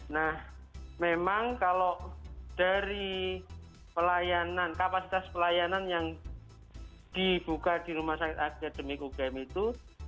nah memang kalau dari pelayanan kapasitas pelayanan yang dibuka di rumah sakit akademik ugm itu